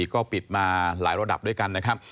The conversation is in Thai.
ก็ปิดมาหลายระดับด้วยกันนะครับ